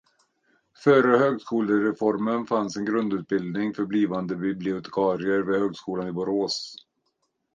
Före högskolereformen fanns en grundutbildning för blivande bibliotekarier vid Högskolan i Borås.